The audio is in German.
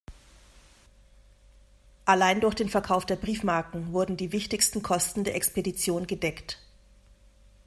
Allein durch den Verkauf der Briefmarken wurden die wichtigsten Kosten der Expedition gedeckt.